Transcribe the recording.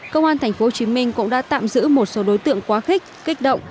công an thành phố hồ chí minh cũng đã tạm giữ một số đối tượng quá khích kích động